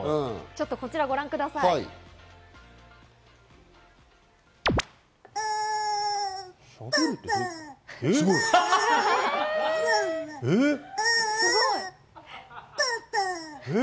ちょっとこちらをご覧ください。え！